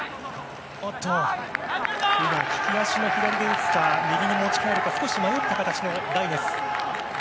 今、利き足の左で打つか右に持ち替えるか少し迷った形のライネス。